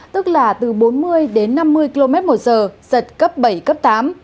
tức là từ bốn mươi đến năm mươi km một giờ giật cấp bảy cấp tám